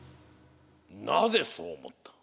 なぜそうおもった？